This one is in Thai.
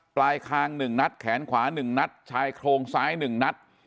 ปลายคาง๑นัดแขนขวา๑นัดชายโครงซ้าย๑นัด